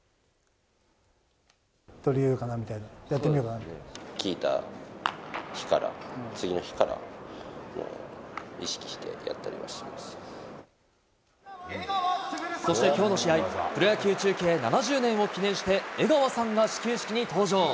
取り入れようかなみたいな、聞いた日から、次の日から、そしてきょうの試合、プロ野球中継７０年を記念して、江川さんが始球式に登場。